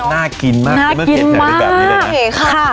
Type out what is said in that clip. น่ากินมากน่ากินมากแบบนี้เลยนะโอเคค่ะ